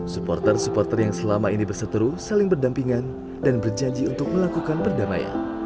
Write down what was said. supporter supporter yang selama ini berseteru saling berdampingan dan berjanji untuk melakukan perdamaian